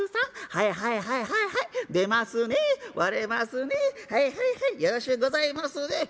はいはいはいよろしゅうございますねえ』